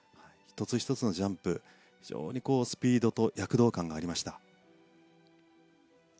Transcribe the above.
１つ１つのジャンプ非常にスピードと躍動感がありました。